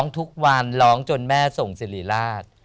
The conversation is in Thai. ทุกวันร้องจนแม่ส่งสิริราช